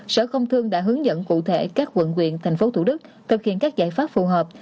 sở công thương đã hướng dẫn cụ thể các quận quyền tp hcm thực hiện các giải pháp phù hợp